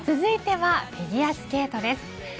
続いてはフィギュアスケートです。